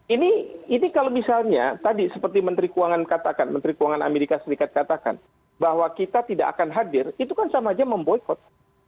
ini kalau misalnya tadi seperti menteri keuangan katakan menteri keuangan amerika serikat katakan bahwa kita tidak akan hadir itu kan sama aja memboykot